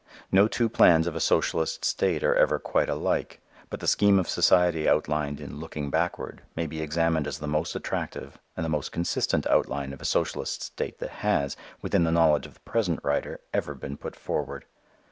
No two plans of a socialist state are ever quite alike. But the scheme of society outlined in "Looking Backward" may be examined as the most attractive and the most consistent outline of a socialist state that has, within the knowledge of the present writer, ever been put forward.